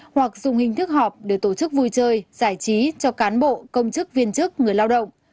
hoặc dùng hình thức họp để tổ chức vui chơi giải trí cho cán bộ công chức viên chức người lao động